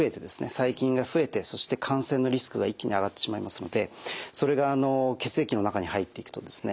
細菌が増えてそして感染のリスクが一気に上がってしまいますのでそれが血液の中に入っていくとですね